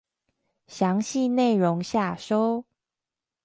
詳細內容下收